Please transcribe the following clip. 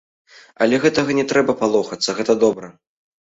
Але гэтага не трэба палохацца, гэта добра!